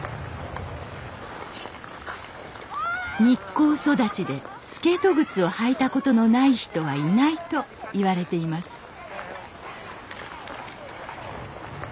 日光育ちでスケート靴を履いたことのない人はいないと言われています